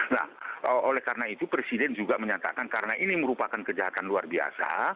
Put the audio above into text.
nah oleh karena itu presiden juga menyatakan karena ini merupakan kejahatan luar biasa